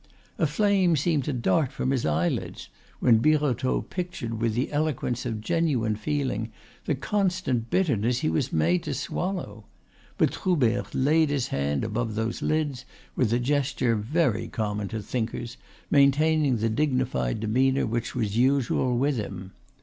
A flame seemed to dart from his eyelids when Birotteau pictured with the eloquence of genuine feeling the constant bitterness he was made to swallow; but Troubert laid his hand above those lids with a gesture very common to thinkers, maintaining the dignified demeanor which was usual with him.